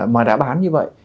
mà đã bán như vậy